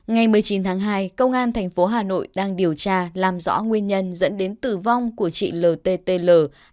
ngày một mươi chín tháng hai công an tp hà nội đang điều tra làm rõ nguyên nhân dẫn đến tử vong của chị lttl